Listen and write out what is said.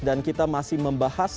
dan kita masih membahas